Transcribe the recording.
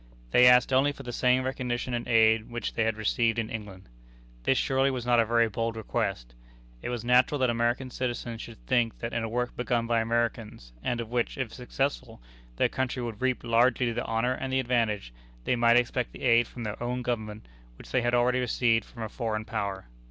They asked only for the same recognition and aid which they had received in England. This surely was not a very bold request. It was natural that American citizens should think that in a work begun by Americans, and of which, if successful, their country would reap largely the honor and the advantage, they might expect the aid from their own Government which they had already received from a foreign power.